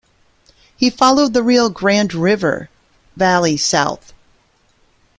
He followed the Rio Grande river valley south.